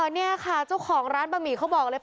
นี่ค่ะเจ้าของร้านบะหมี่เขาบอกเลย